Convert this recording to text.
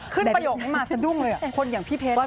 ขึ้นประโยคไม่มาสะดุงเลยอะคนอย่างพี่เพชร